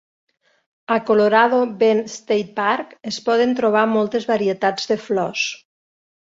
A Colorado Bend State Park es poden trobar moltes varietats de flors.